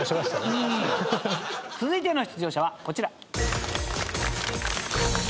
続いての出場者はこちら。